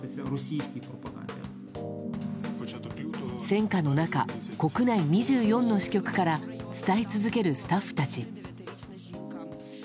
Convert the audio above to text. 戦火の中、国内２４の支局から伝え続けるスタッフたち。